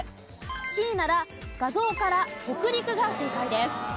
Ｃなら画像からほくりくが正解です。